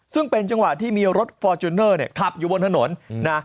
ซึ่งเป็นจังหวะที่มีรถฟอร์จูเนอร์เนี่ยขับอยู่บนถนนนะ